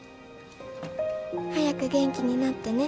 「早く元気になってね。